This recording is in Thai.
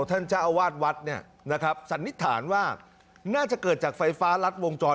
ท่านเจ้าอาวาสวัดเนี่ยนะครับสันนิษฐานว่าน่าจะเกิดจากไฟฟ้ารัดวงจร